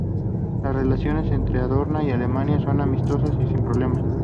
Las relaciones entre Andorra y Alemania son amistosas y sin problemas.